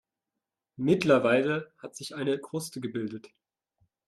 Mittlerweile hat sich eine Kruste gebildet.